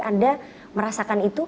anda merasakan itu